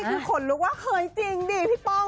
คือขนลุกว่าเคยจริงดิพี่ป้อง